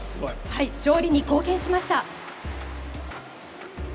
勝利に貢献しました。